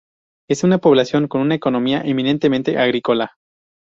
Es una población con una economía eminentemente agrícola.